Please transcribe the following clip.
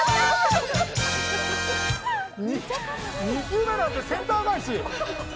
２球目なんてセンター返し。